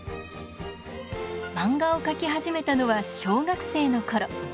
漫画を描き始めたのは小学生の頃。